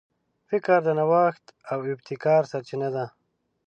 فکر د نوښت او ابتکار سرچینه ده.